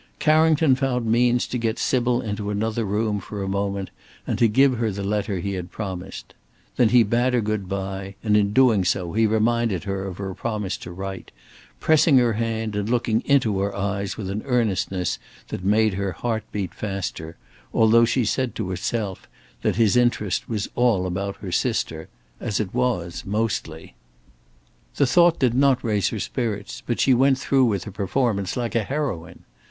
Carrington found means to get Sybil into another room for a moment and to give her the letter he had promised. Then he bade her good bye, and in doing so he reminded her of her promise to write, pressing her hand and looking into her eyes with an earnestness that made her heart beat faster, although she said to herself that his interest was all about her sister; as it was mostly. The thought did not raise her spirits, but she went through with her performance like a heroine.